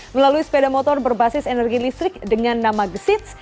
melalui sepeda motor berbasis energi listrik dengan nama gesits